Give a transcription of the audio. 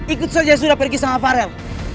ikut saja sudah pergi sama farem